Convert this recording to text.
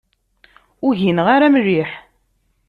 Ur gineɣ ara mliḥ.